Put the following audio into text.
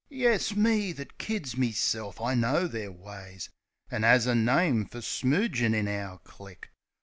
Yes, me, that kids meself I know their ways. An' 'as a name for smoogin' in our click!